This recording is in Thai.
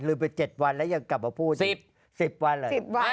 ไป๗วันแล้วยังกลับมาพูด๑๐วันเหรอ